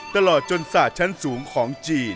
ตลอดจนศาสตร์ชั้นสูงของจีน